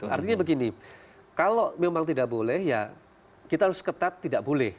artinya begini kalau memang tidak boleh ya kita harus ketat tidak boleh